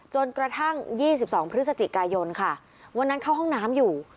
จนกระทั่ง๒๒พฤศจิกายนค่ะวันนั้นเข้าห้องน้ำอยู่